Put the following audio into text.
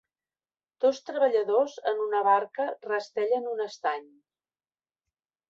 Dos treballadors en una barca rastellen un estany